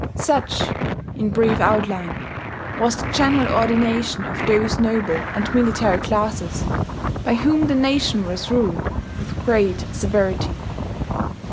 Such, in brief outline, was the general ordination of those noble and military classes by whom the nation was ruled with great severity.